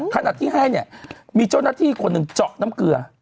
ขณะที่ให้เนี่ยมีเจ้าหน้าที่คนหนึ่งเจาะน้ำเกลือ